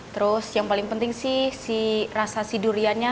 terus yang paling penting sih si rasa si duriannya